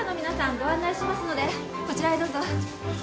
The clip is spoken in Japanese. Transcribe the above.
ご案内しますのでこちらへどうぞ。